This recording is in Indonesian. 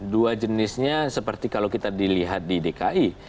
dua jenisnya seperti kalau kita dilihat di dki